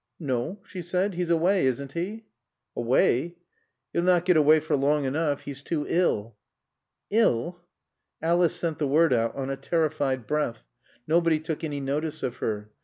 "No," she said. "He's away, isn't he?" "Away? 'El'll nat get away fer long enoof. 'E's too ill." "Ill?" Alice sent the word out on a terrified breath. Nobody took any notice of her.